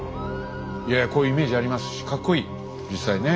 いやいやこういうイメージありますしカッコいい実際ね。